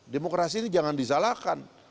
demokrasi ini jangan disalahkan